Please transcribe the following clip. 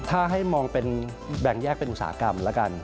ถ้าให้มองเป็นแบ่งแยกเป็นอุตสาหกรรมแล้วกัน